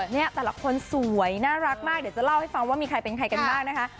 เนี่ยแต่ละคนสวยน่ารักมากเดี๋ยวจะเล่าให้ฟังว่ามีใครเป็นใครกันบ้างนะคะ